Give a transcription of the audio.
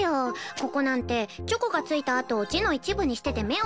ここなんてチョコがついた跡を字の一部にしてて目を疑ったよ。